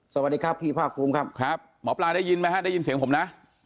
สวัสดีครับพี่ภาคภูมิครับครับหมอปลาได้ยินไหมฮะได้ยินเสียงผมนะ